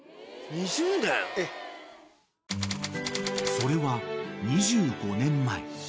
［それは２５年前］